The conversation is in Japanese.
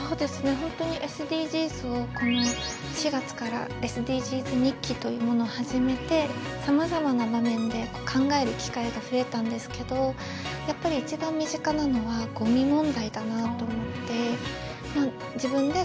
本当にＳＤＧｓをこの４月から「ＳＤＧｓ日記」というものを始めてさまざまな場面で考える機会が増えたんですけどやっぱり自分でじゃもう実際行動を始めてるということなんですね。